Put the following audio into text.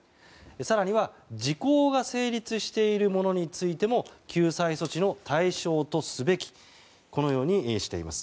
更には時効が成立している者についても救済措置の対象とすべきとこのようにしています。